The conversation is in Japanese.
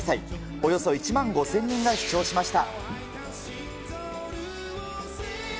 およそ１万５０００人が視聴しました。